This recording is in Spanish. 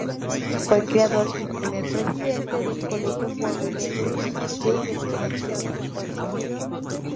Fue creador y primer presidente del Colegio Coahuilense de Investigaciones Históricas.